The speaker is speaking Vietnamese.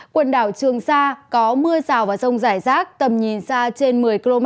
quận đảo trường sa có mưa rào và rông rải rác tầm nhìn ra trên một mươi km